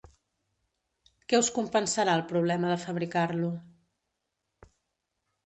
Què us compensarà el problema de fabricar-lo?